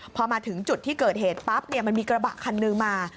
พอมาถึงจุดที่เกิดเหตุปั๊บมันมีกระบะคันนึงมา